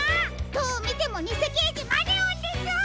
どうみてもにせけいじマネオンです！